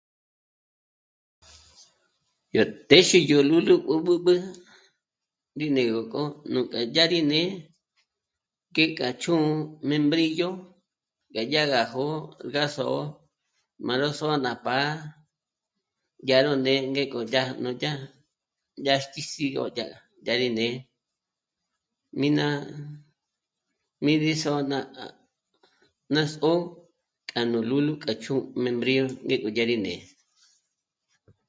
Yó téxe yó lúlu b'ǚb'ü rí né'egö k'o nuk'a dyà rí né'e k'e k'a chū̂'ū mémbrillo gá dyá gá jó'o gá zǒ'o má ró sô'n'a pa dyà ró né'e ngék'o dyá núja yájki sǐ 'o dyà, dyà rí ne'e, mí ná mìd'i sô'n'a ná zó'o k'anu lúlu k'a chjú'u mémbrillo né'egö dyà rí né'e